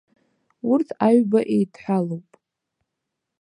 Урҭ аҩба еидҳәалоуп.